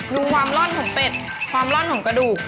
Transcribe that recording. ดูความร่อนของเป็ดความร่อนของกระดูก